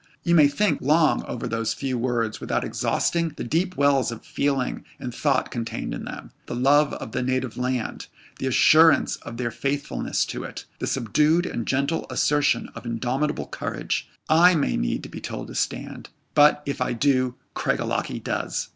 You may think long over those few words without exhausting the deep wells of feeling and thought contained in them the love of the native land, the assurance of their faithfulness to it; the subdued and gentle assertion of indomitable courage I may need to be told to stand, but, if I do, Craig Ellachie does.